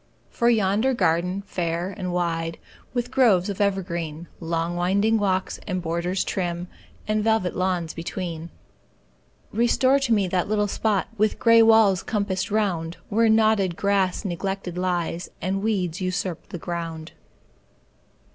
For yonder garden, fair and wide, With groves of evergreen, Long winding walks, and borders trim, And velvet lawns between; Restore to me that little spot, With gray walls compassed round, Where knotted grass neglected lies, And weeds usurp the ground.